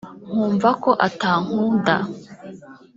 nkumva ko atankuda